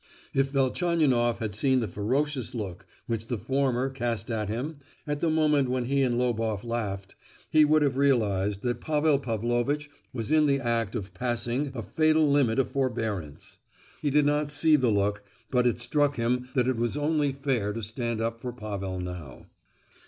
If Velchaninoff had seen the ferocious look which the former cast at him at the moment when he and Loboff laughed, he would have realized that Pavel Pavlovitch was in the act of passing a fatal limit of forbearance. He did not see the look; but it struck him that it was only fair to stand up for Pavel now.